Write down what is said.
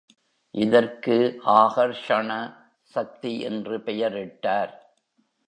இதற்கு ஆகர்ஷண சக்தி என்று பெயரிட்டார்.